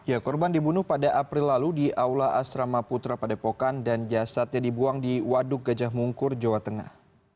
ya korban dibunuh pada april lalu di aula asrama putra padepokan dan jasadnya dibuang di waduk gajah mungkur jawa tengah